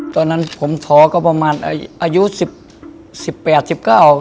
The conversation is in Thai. ตอนนั้นผมท้อก็ประมาณอายุ๑๘๑๙ครับ